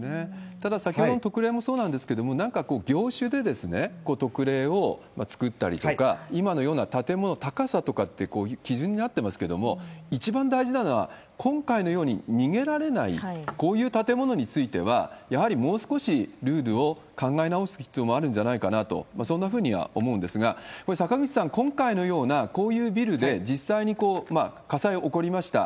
ただ、先ほどの特例もそうなんですけれども、なんかこう、業種で特例を作ったりとか、今のような建物、高さとかって、基準になってますけれども、一番大事なのは、今回のように逃げられない、こういう建物については、やはりもう少しルールを考え直す必要もあるんじゃないかなと、そんなふうには思うんですが、これ、坂口さん、今回のようなこういうビルで、実際に火災起こりました。